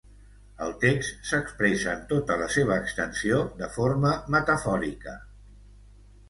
El text s'expressa en tota la seva extensió de forma metafòrica.